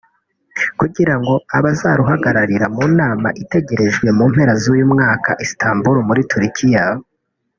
kugira ngo abazaruhagararira mu nama itegerejwe mu mpera z’uyu mwaka Istanbul muri Turkey